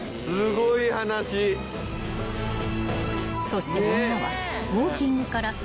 ［そして女は］